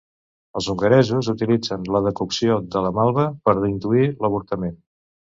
Els hongaresos utilitzen la decocció de la malva per induir l'avortament.